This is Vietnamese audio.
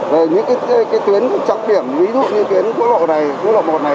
về những tuyến trọng điểm ví dụ như tuyến quốc lộ này quốc lộ một này